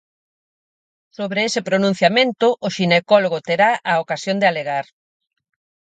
Sobre ese pronunciamento, o xinecólogo terá a ocasión de alegar.